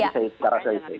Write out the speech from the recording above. jadi saya rasa itu